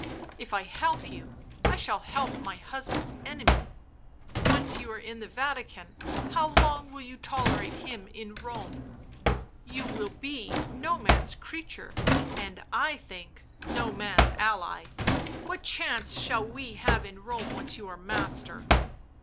if I help you I shall help my husband's enemy — once you are in the Vatican, how long will you tolerate him in Home? You will be no man's creature, and, I think, no man's ally— what chance shall we have in Rome once you are master?